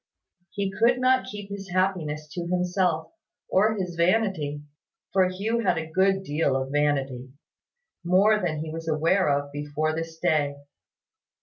He could not keep his happiness to himself, or his vanity: for Hugh had a good deal of vanity, more than he was aware of before this day.